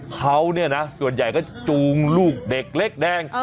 เขาเนี่ยนะส่วนใหญ่ก็จะจูงลูกเด็กเล็กแดง